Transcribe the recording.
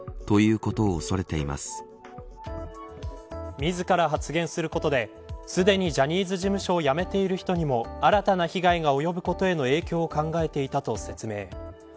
自ら発言することですでにジャニーズ事務所を辞めている人にも新たな被害が及ぶことへの影響を考えていたと説明。